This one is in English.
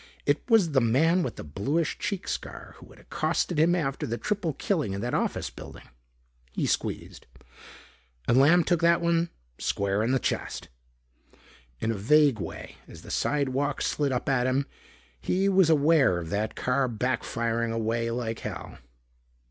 It was the man with the bluish cheek scar who had accosted him after the triple killing in that office building. He squeezed. And Lamb took that one square on the chest. In a vague way, as the sidewalk slid up at him, he was aware of that car back firing away like hell.